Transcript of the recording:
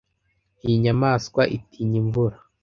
iyi nyamaswa itinya Imvura